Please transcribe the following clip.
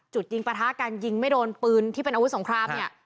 ยิงประทะการยิงไม่โดนปืนที่เป็นอาวุธสงครามเนี่ย